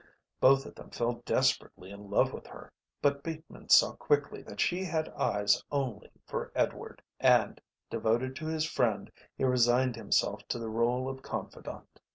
Both of them fell desperately in love with her, but Bateman saw quickly that she had eyes only for Edward, and, devoted to his friend, he resigned himself to the role of confidant.